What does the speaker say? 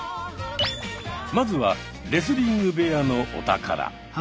まずはレスリング部屋のお宝。